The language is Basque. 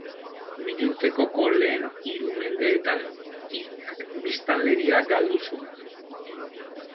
Milurtekoko lehen hiru mendeetan, hiriak biztanleria galdu zuen.